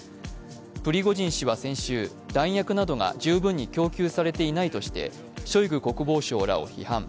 プリゴジン氏は先週、弾薬などが十分に供給されていないなどとしてショイグ国防相らを批判。